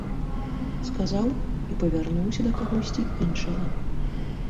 Сказаў і павярнуўся да кагосьці іншага.